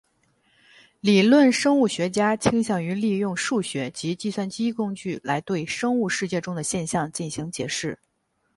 理论生物学家倾向于利用数学及计算机工具来对生物世界中的现象进行解释。